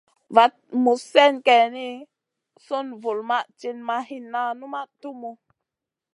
Vaɗ muzn slèn goy geyni, sùn vulmaʼ tinʼ ma hinna, numaʼ tumu.